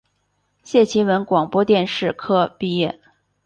谢其文广播电视科毕业。